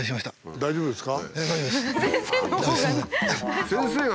大丈夫ですか？